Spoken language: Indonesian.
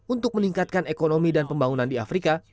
untuk meningkatkan ekonomi dan pembangunan di afrika